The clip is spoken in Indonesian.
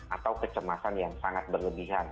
atau kecemasan yang sangat berlebihan